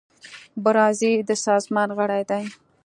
برازیل د سازمان غړی دی.